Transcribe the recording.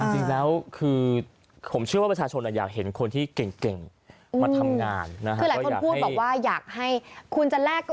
จริงแล้วคือผมเชื่อว่าประชาชน